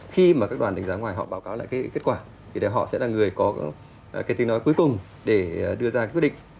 khi mà các đoàn đánh giá ngoài họ báo cáo lại cái kết quả thì họ sẽ là người có cái tiếng nói cuối cùng để đưa ra quyết định